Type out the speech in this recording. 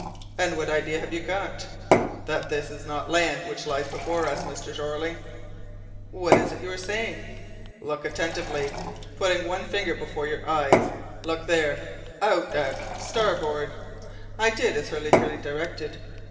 "And what idea have you got?" "That it is not land which lies before us, Mr. Jeorling!" "What is it you are saying?" "Look attentively, putting one finger before your eyes look there out a starboard." I did as Hurliguerly directed.